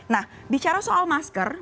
nah bicara soal masker